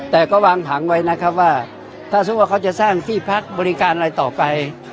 แต่ก็วางผังไว้นะครับว่าถ้าสมมุติว่าเขาจะสร้างที่พักบริการอะไรต่อไป